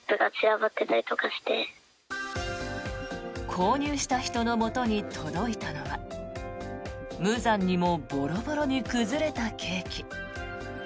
購入した人のもとに届いたのは無残にもボロボロに崩れたケーキ。